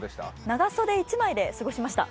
長袖１枚で過ごしました。